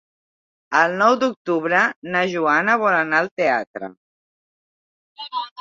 El nou d'octubre na Joana vol anar al teatre.